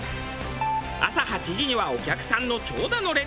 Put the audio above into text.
朝８時にはお客さんの長蛇の列。